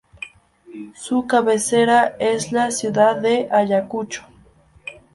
Su cabecera es la ciudad de Ayacucho.